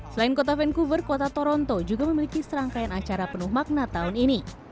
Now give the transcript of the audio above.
selain kota vancouver kota toronto juga memiliki serangkaian acara penuh makna tahun ini